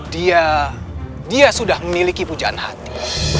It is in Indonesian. dia dia sudah memiliki pujaan hati